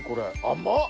甘っ！